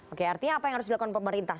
oke artinya apa yang harus dilakukan pemerintah